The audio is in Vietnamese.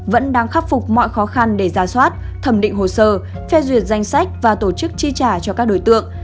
vẫn đang khắc phục mọi khó khăn để ra soát thẩm định hồ sơ phê duyệt danh sách và tổ chức chi trả cho các đối tượng